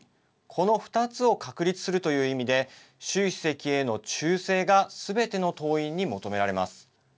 この２つを確立するという意味で習主席への忠誠がすべての党員に求められます。